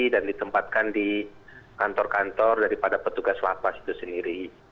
dan ditempatkan di kantor kantor daripada petugas wapas itu sendiri